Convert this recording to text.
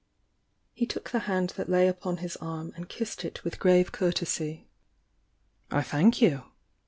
He took the hand that lay upon his arm and kissed It with grave courtesy. "I thank you!"